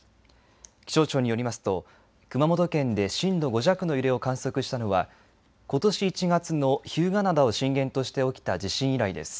気象庁によりますと熊本県で震度５弱の揺れを観測したのはことし１月の日向灘を震源として起きた地震以来です。